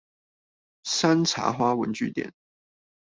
山茶花文具店